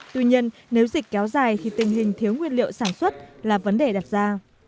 tuy nhiên nếu dịch kéo dài thì tình hình thiếu nguyên liệu sản xuất là vấn đề đặc gia